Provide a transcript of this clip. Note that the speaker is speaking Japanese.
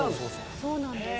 そうなんです。